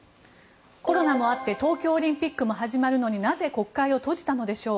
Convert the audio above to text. コロナもあって東京オリンピックも始まるのになぜ国会を閉じたのでしょう。